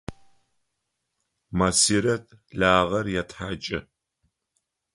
Масирэт лагъэр етхьакӏы.